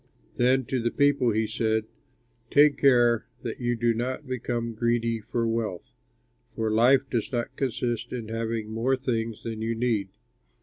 Then to the people he said, "Take care that you do not become greedy for wealth, for life does not consist in having more things than you need."